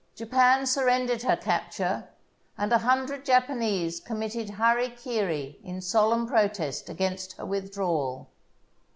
Japan surrendered her capture — and a hundred Japanese committed hara kiri in solemn protest against her withdrawal.